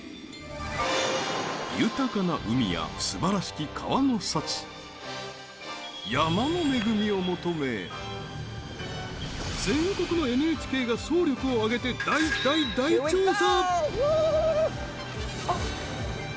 豊かな海や、すばらしき川の幸山の恵みを求め全国のＮＨＫが総力をあげて大、大、大調査！